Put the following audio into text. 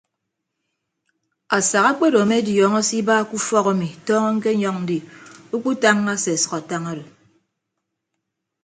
Asak akpedo ame adiọñọ se iba ke ufọk ami tọñọ ñkenyọñ ndi ukpu tañña se asʌk atañ odo.